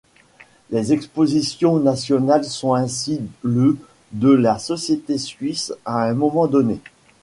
Les expositions nationales sont ainsi le de la société suisse à un moment donné.